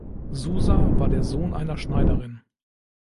Souza war der Sohn einer Schneiderin.